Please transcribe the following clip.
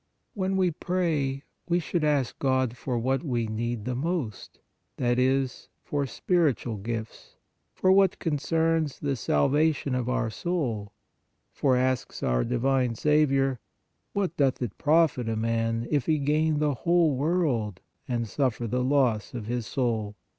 When we pray, we should ask God for what we need the most, that is, for spiritual gifts, for what concerns the salvation of our soul, for, asks our divine Saviour, " what doth it profit a man, if he gain the whole world and suffer the loss of his soul?